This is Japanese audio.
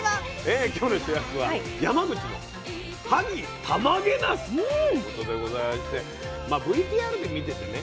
今日の主役は山口の萩たまげなすということでございましてまあＶＴＲで見ててね